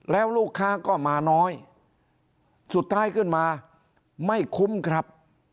แล้วลูกค้าก็มาน้อยสุดท้ายขึ้นมาไม่คุ้มครับ